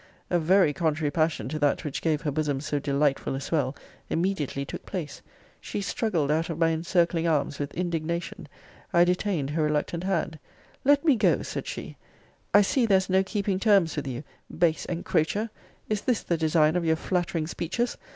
A very contrary passion to that which gave her bosom so delightful a swell, immediately took place. She struggled out of my encircling arms with indignation. I detained her reluctant hand. Let me go, said she. I see there is no keeping terms with you. Base encroacher! Is this the design of your flattering speeches?